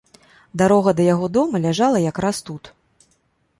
Дарога да яго дома ляжала якраз тут.